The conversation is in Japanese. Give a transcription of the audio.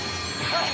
はい！